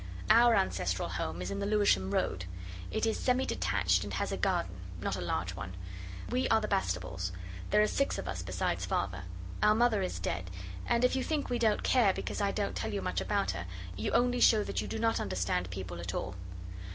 Our ancestral home is in the Lewisham Road. It is semi detached and has a garden, not a large one. We are the Bastables. There are six of us besides Father. Our Mother is dead, and if you think we don't care because I don't tell you much about her you only show that you do not understand people at all.